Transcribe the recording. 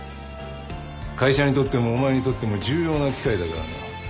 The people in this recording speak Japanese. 会社にとってもお前にとっても重要な機会だからな。